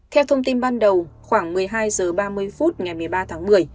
theo thông tin ban đầu khoảng một mươi hai h ba mươi phút ngày một mươi ba tháng một mươi